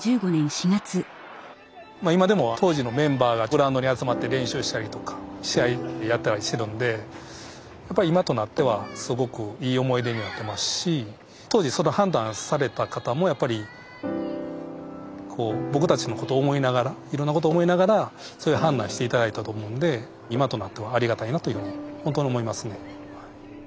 今でも当時のメンバーがグラウンドに集まって練習したりとか試合やったりしてるんでやっぱり今となってはすごくいい思い出になってますし当時その判断された方もやっぱり僕たちのことを思いながらいろんなことを思いながらそういう判断して頂いたと思うんで今となってはありがたいなというふうにほんとに思いますね。